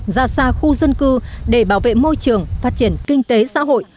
ra xa khu dân cư để bảo vệ môi trường phát triển kinh tế xã hội